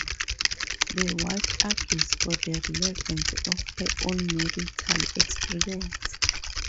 The Wife argues for the relevance of her own marital experience.